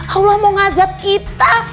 allah mau ngazap kita